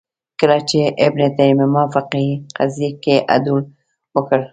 کله چې ابن تیمیه فقهې قضیې کې عدول وکړ